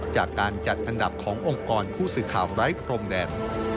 จากการจัดอันดับขององค์กรผู้สื่อข่าวไร้พรมแดน